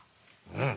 うん。